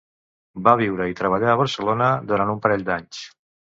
Va viure i treballar a Barcelona durant un parell d"anys.